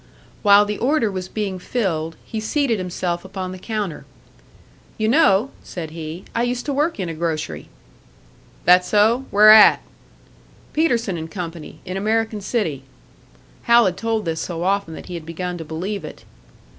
While the order was being filled, he seated himself upon the counter. "You know," said he, "I used to work in a grocery." "That so? Where at?" "Peterson & Co., in American City." Hal had told this so often that he had begun to believe it.